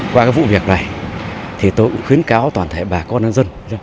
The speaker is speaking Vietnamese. qua cái vụ việc này thì tôi cũng khuyến cáo toàn thể bà con nhân dân